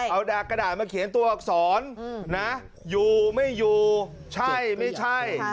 เอาดากกระดาษมาเขียนตัวอักษรนะอยู่ไม่อยู่ใช่ไม่ใช่